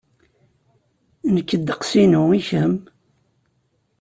Nekk ddeqs-inu, i kemm?